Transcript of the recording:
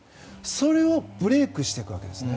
それをブレークしていったわけですね。